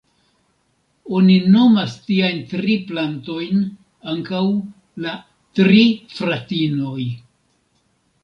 Oni nomas tiajn tri plantojn ankaŭ ""la tri fratinoj"".